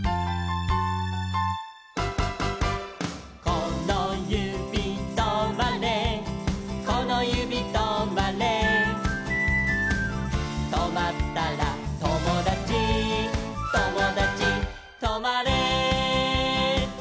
「このゆびとまれこのゆびとまれ」「とまったらともだちともだちとまれ」